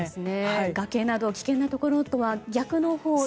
崖など危険なところとは逆のほうへ。